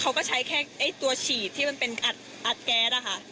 อะไรจะมีแบบนี้